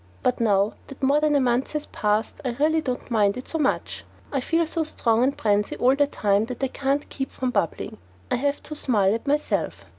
But now that more than a month has passed, I really don't mind it so much. I feel so strong and prancy all the time that I can't keep from bubbling. I have to smile at myself.